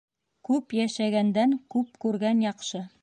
Күп йәшәгәндән күп күргән яҡшы.